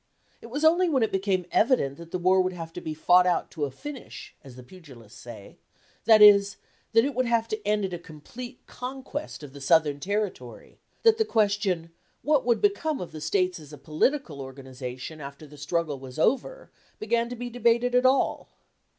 It was only when it became evident that the war would have to be fought out to a finish, as the pugilists say that is, that it would have to end in a complete conquest of the Southern territory that the question, what would become of the States as a political organization after the struggle was over, began to be debated at all.